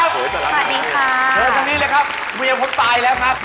เชิญตอนนี้เลยครับ